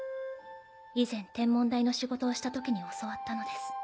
以前天文台の仕事をした時に教わったのです。